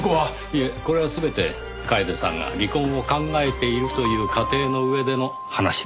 いえこれは全て楓さんが離婚を考えているという仮定の上での話です。